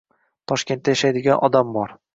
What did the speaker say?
Toshkentda yashaydigan odam bor